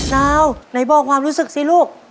ดาวไหนบอกความรู้สึกสิลูก